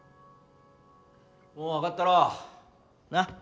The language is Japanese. もう分かったろなっ？